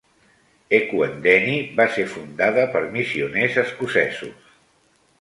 Ekwendeni va ser fundada per missioners escocesos.